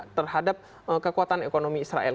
terhadap kekuatan ekonomi israel